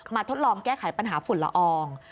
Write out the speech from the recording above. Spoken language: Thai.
ทดลองแก้ไขปัญหาฝุ่นละออง